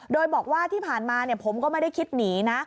โดยบอกว่าที่ผ่านมาผมก็ไม่ได้คิดหนีนะ